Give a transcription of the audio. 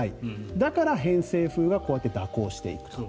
だから偏西風がこうやって蛇行していく。